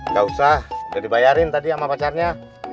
gak usah udah dibayarin tadi sama pacarnya